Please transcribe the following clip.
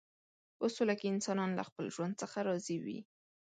په سوله کې انسانان له خپل ژوند څخه راضي وي.